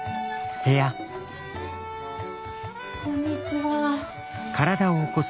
こんにちは。